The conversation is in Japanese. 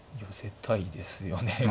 寄せたいですよね